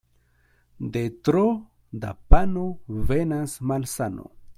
De tro da pano venas malsano.